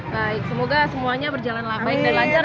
baik semoga semuanya berjalan baik dan lancar